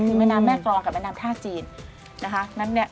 คือแม่น้ำแม่กรองกับแม่น้ำท่าจีนนะคะ